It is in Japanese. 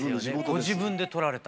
ご自分で撮られた？